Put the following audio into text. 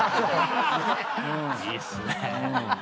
いいっすね。